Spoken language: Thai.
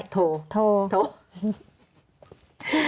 โทร